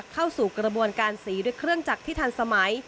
เข้าสู่กระบวนการสีด้วยเครื่องจักรที่ทันสมัย